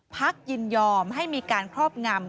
ยินยอมให้มีการครอบงำ